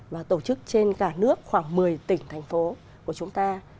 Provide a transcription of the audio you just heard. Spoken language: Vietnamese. và tổ chức trên cả nước khoảng một mươi tỉnh thành phố của chúng ta